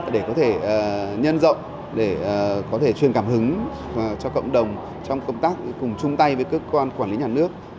để có thể nhân rộng để có thể truyền cảm hứng cho cộng đồng trong công tác cùng chung tay với cơ quan quản lý nhà nước